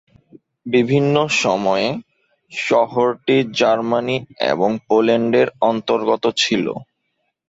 বিভিন্ন সময়ে শহরটি জার্মানি এবং পোল্যান্ডের অন্তর্গত ছিল।